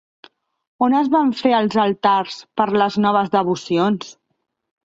On es van fer els altars per les noves devocions?